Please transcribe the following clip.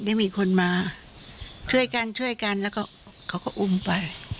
ได้มีคนมาช่วยกันช่วยกันแล้วก็เขาก็อุ้มไป